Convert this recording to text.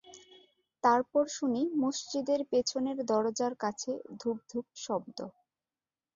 তারপর শুনি মসজিদের পিছনের দরজার কাছে ধূপ-ধূপ শব্দ।